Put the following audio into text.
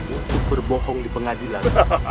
untuk berbohong di pengadilan